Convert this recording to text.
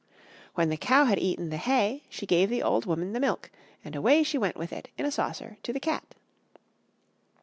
When the cow had eaten the hay, she gave the old woman the milk; and away she went with it in a saucer to the cat.